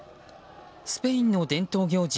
スペインの伝統行事